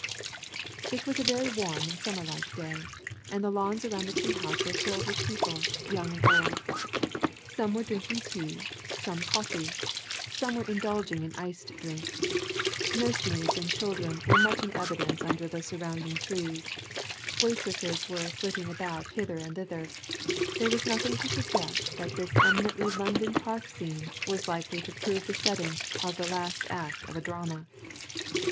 It was a very warm and summer like day, and the lawns around the tea house were filled with people, young and old. Some were drinking tea, some coffee; some were indulging in iced drinks. Nursemaids and children were much in evidence under the surrounding trees; waitresses were flitting about hither and thither: there was nothing to suggest that this eminently London park scene was likely to prove the setting of the last act of a drama.